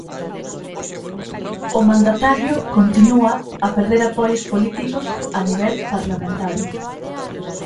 O mandatario continúa a perder apoios políticos a nivel parlamentario.